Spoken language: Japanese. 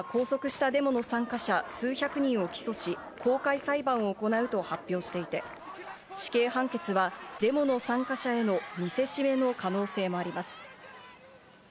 イランは拘束したデモの参加者数百人を起訴し、公開裁判を行うと発表していて、死刑判決はデモの参加者への見せしめの可能性もあります。